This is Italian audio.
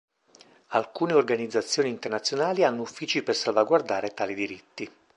Alcune organizzazioni internazionali hanno uffici per salvaguardare tali diritti.